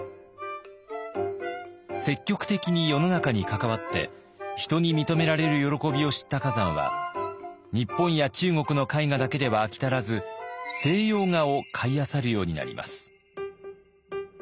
積極的に世の中に関わって人に認められる喜びを知った崋山は日本や中国の絵画だけでは飽き足らず西洋画を買いあさるようになります。